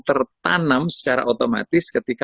tertanam secara otomatis ketika